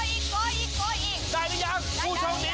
เฉียกมั้ยเฉียกมั้ย